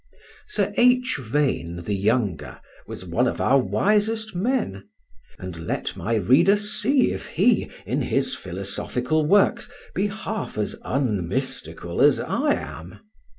Sir H. Vane, the younger, was one of our wisest men; and let my reader see if he, in his philosophical works, be half as unmystical as I am.